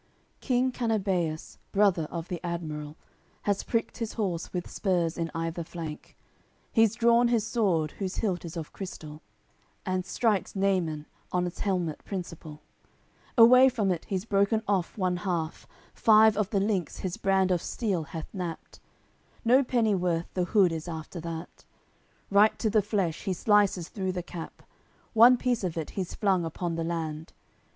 CCXLVIII King Canabeus, brother of the admiral, Has pricked his horse with spurs in either flank; He's drawn his sword, whose hilt is of crystal, And strikes Naimun on's helmet principal; Away from it he's broken off one half, Five of the links his brand of steel hath knapped; No pennyworth the hood is after that; Right to the flesh he slices through the cap; One piece of it he's flung upon the land.